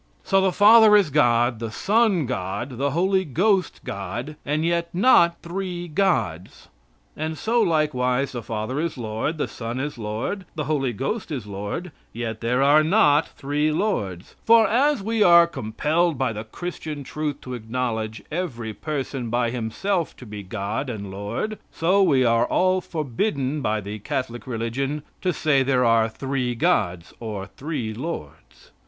So the Father is God, the Son God, the Holy Ghost God, and yet not three Gods; and so likewise, the Father is Lord, the Son is Lord, the Holy Ghost is Lord, yet there are not three Lords, for as we are compelled by the Christian truth to acknowledge every person by himself to be God and Lord, so we are all forbidden by the Catholic religion to say there are three Gods, or three Lords.